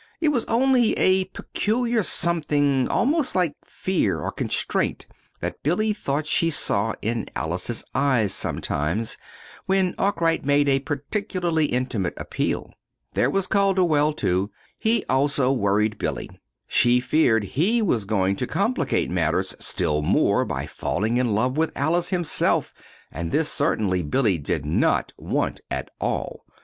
It was only a peculiar something almost like fear, or constraint, that Billy thought she saw in Alice's eyes, sometimes, when Arkwright made a particularly intimate appeal. There was Calderwell, too. He, also, worried Billy. She feared he was going to complicate matters still more by falling in love with Alice, himself; and this, certainly, Billy did not want at all.